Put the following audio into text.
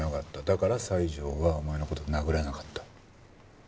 だから西条はお前の事を殴らなかった。